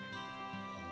ほう。